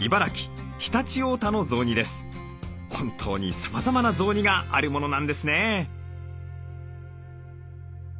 本当にさまざまな雑煮があるものなんですね。